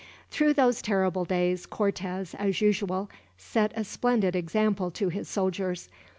Through those terrible days Cortez, as usual, set a splendid example to his solders.